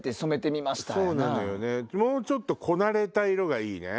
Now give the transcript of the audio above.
もうちょっとこなれた色がいいね。